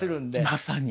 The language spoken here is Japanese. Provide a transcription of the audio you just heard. まさに。